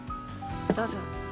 どうぞ。